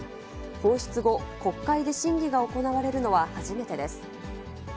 放出後、国会で審議が行われるのは初めてです。